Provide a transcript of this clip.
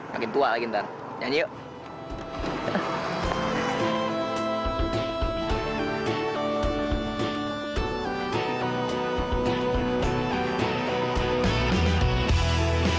makin tua lagi ntar nyanyi yuk